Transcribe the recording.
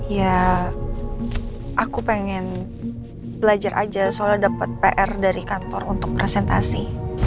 ya aku pengen belajar aja soalnya dapat pr dari kantor untuk presentasi